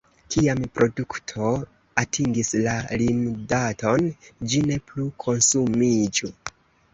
Kiam produkto atingis la limdaton, ĝi ne plu konsumiĝu.